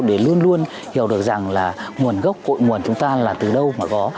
để luôn luôn hiểu được rằng là nguồn gốc cội nguồn chúng ta là từ đâu mà có